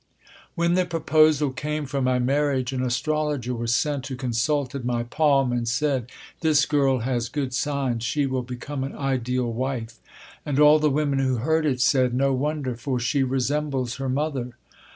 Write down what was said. When the proposal came for my marriage, an astrologer was sent, who consulted my palm and said, "This girl has good signs. She will become an ideal wife." And all the women who heard it said: "No wonder, for she resembles her mother."